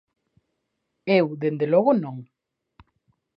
Eu, dende logo, non.